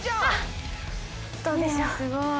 すごい。